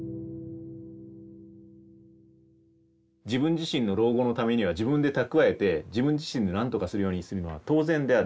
自分自身の老後のためには自分で蓄えて自分自身で何とかするようにするのは当然である。